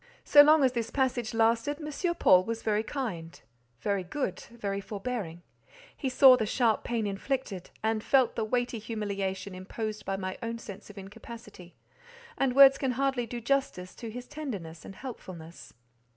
So long as this passage lasted, M. Paul was very kind, very good, very forbearing; he saw the sharp pain inflicted, and felt the weighty humiliation imposed by my own sense of incapacity; and words can hardly do justice to his tenderness and helpfulness.